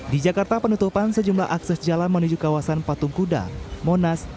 di jakarta penutupan sejumlah akses jalan menuju kawasan patung kuda monas